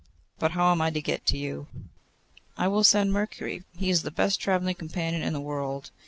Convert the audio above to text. But how am I to get to you?' 'I will send Mercury; he is the best travelling companion in the world.